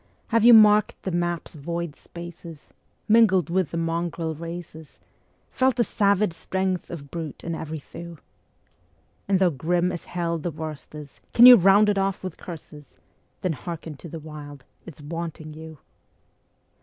Have you marked the map's void spaces, mingled with the mongrel races, Felt the savage strength of brute in every thew? And though grim as hell the worst is, can you round it off with curses? Then hearken to the Wild it's wanting you.